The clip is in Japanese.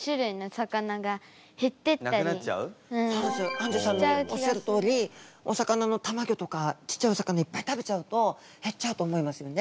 あんじゅさんのおっしゃるとおりお魚のたまギョとかちっちゃいお魚いっぱい食べちゃうと減っちゃうと思いますよね？